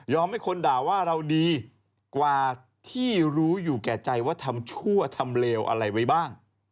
ให้คนด่าว่าเราดีกว่าที่รู้อยู่แก่ใจว่าทำชั่วทำเลวอะไรไว้บ้าง